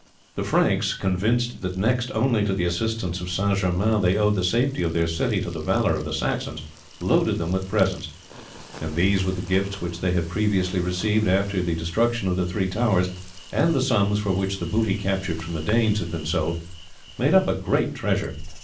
The Franks, convinced that next only to the assistance of St. Germain they owed the safety of their city to the valour of the Saxons, loaded them with presents; and these, with the gifts which they had previously received after the destruction of the three towers, and the sums for which the booty captured from the Danes had been sold, made up a great treasure.